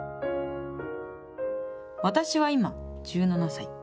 私は今１７歳。